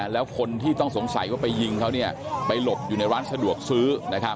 แล้วคนที่ต้องสงสัยว่าไปยิงเขาไปหลบอยู่ในร้านสะดวกซื้อ